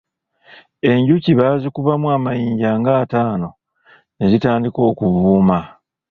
Enjuki baazikubamu amayinja nga ataano ne zitandika okuvuuma.